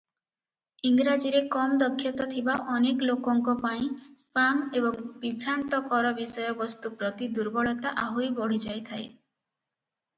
ଇଂରାଜୀରେ କମ ଦକ୍ଷତା ଥିବା ଅନେକ ଲୋକଙ୍କ ପାଇଁ ସ୍ପାମ ଏବଂ ବିଭ୍ରାନ୍ତିକର ବିଷୟବସ୍ତୁ ପ୍ରତି ଦୁର୍ବଳତା ଆହୁରି ବଢ଼ିଯାଇଥାଏ ।